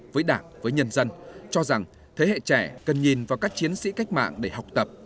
với đảng với nhân dân cho rằng thế hệ trẻ cần nhìn vào các chiến sĩ cách mạng để học tập